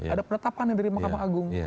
ada penetapan yang dari mahkamah agung